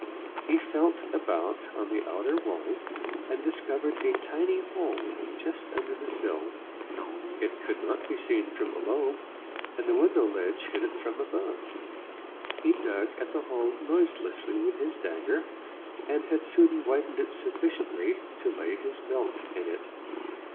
He felt about on the outer wall and discovered a tiny hole just under the sill. It could not be seen from below, and the window ledge hid it from above. He dug at the hole noiselessly with his dagger, and had soon widened it sufficiently to lay his belt in it.